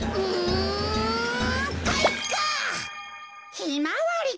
ひまわりか。